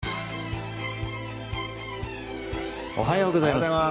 おはようございます。